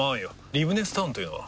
リブネスタウンというのは？